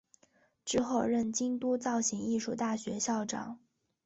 之后任京都造形艺术大学校长。